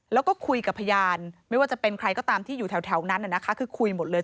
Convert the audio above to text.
แล้วก็คุยกับพยานไม่ว่าจะเป็นใครก็ตามที่อยู่แถวนั้นคือคุยหมดเลย